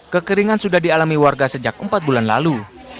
kekeringan sudah dialami warga sejak empat bulan lalu